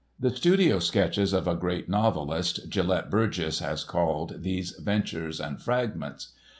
"The studio sketches of a great novelist," Gellett Burgess has called these ventures and fragments.